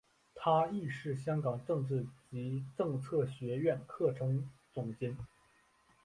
他亦是香港政治及政策学苑课程总监。